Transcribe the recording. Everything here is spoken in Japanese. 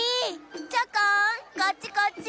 チョコンこっちこっち！